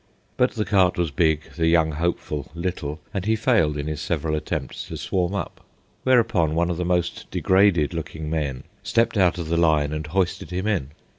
But the cart was big, the young hopeful little, and he failed in his several attempts to swarm up. Whereupon one of the most degraded looking men stepped out of the line and hoisted him in.